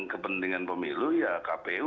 kepentingan pemilu ya kpu